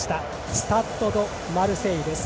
スタッド・ド・マルセイユです。